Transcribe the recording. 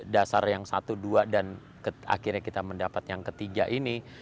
dasar yang satu dua dan akhirnya kita mendapat yang ketiga ini